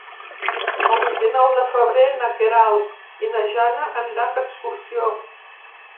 El vint-i-nou de febrer na Queralt i na Jana aniran d'excursió.